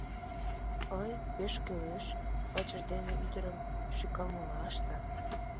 — Ый, пеш кӱлеш!.. — вачыж дене ӱдырым шӱкалмыла ышта.